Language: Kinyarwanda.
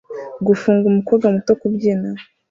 Gufunga umukobwa muto kubyina